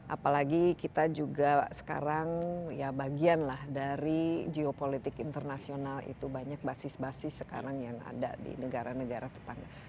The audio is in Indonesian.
apalagi kita juga sekarang ya bagian lah dari geopolitik internasional itu banyak basis basis sekarang yang ada di negara negara tetangga